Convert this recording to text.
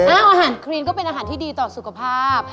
อาหารครีนก็เป็นอาหารที่ดีต่อสุขภาพ